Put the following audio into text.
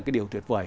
cái điều tuyệt vời